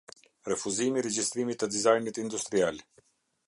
Refuzimi i regjistrimit të dizajnit industrial.